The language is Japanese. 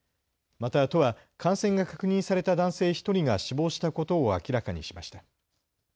また都は感染が確認された男性１人が死亡したことを明らかにしました。